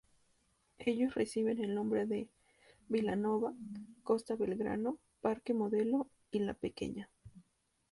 Ellos reciben el nombre de "Vilanova", "Costa Belgrano", "Parque Modelo" y "La Pequeña".